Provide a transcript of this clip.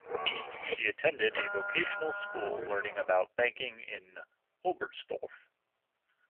She attended a vocational school learning about banking in Oberstdorf.